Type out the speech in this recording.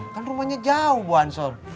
kan rumahnya jauh bu ansor